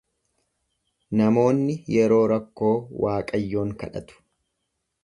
Namoonni yeroo rakkoo Waaqayyoon kadhatu.